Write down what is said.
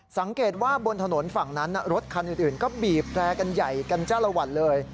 สังเกตว่าบนถนนฝั่งนั้นรถคันอื่นก็บีบแตรกันใหญ่กันจ้าละวันเลย